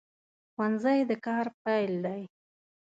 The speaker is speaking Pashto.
ښوونځی د کار پیل دی